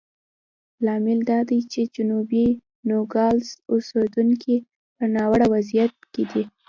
لامل دا دی چې جنوبي نوګالس اوسېدونکي په ناوړه وضعیت کې دي.